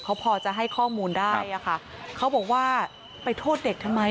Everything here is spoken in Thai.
เขาพอจะให้ข้อมูลได้อะค่ะเขาบอกว่าไปโทษเด็กทำไม